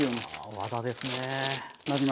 技ですね。